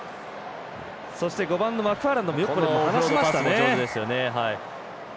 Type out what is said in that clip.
そして５番はマクファーランドもよく離しました。